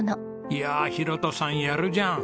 いや裕登さんやるじゃん。